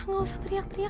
gak usah teriak teriak